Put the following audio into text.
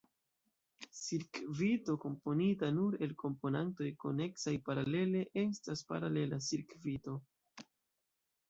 Cirkvito komponita nur el komponantoj koneksaj paralele estas paralela cirkvito.